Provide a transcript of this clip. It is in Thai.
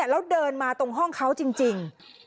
แล้วเดินมาตรงห้องเขาจริง